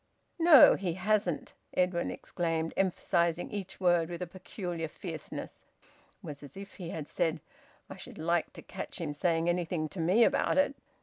"No, he hasn't!" Edwin exclaimed, emphasising each word with a peculiar fierceness. It was as if he had said, "I should like to catch him saying anything to me about it!"